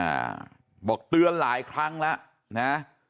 อ่าบอกเตือนหลายครั้งแล้วนะ